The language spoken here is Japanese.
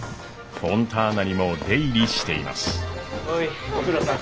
フォンターナにも出入りしています。